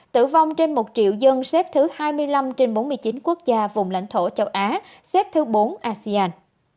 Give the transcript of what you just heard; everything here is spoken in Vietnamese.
tử vong trên một triệu dân xếp thứ hai mươi năm trên bốn mươi chín quốc gia vùng lãnh thổ châu á xếp thứ bốn asean